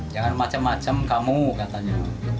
jangan macem macem kamu katanya